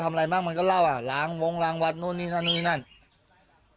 อะไรบ้างมันก็เล่าอ่ะล้างวงล้างวัดนู่นนี่นั่นนู่นนี่นั่น